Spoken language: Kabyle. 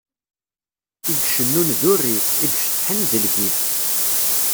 I icennun d urrif, i iceṭṭḥen d lkif.